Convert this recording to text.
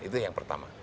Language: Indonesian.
itu yang pertama